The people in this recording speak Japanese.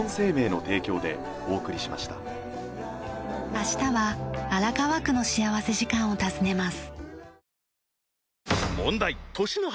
明日は荒川区の幸福時間を訪ねます。